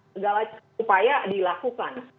segala upaya dilakukan